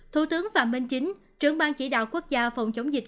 thủ tướng và minh chính trưởng bang chỉ đạo quốc gia phòng chống dịch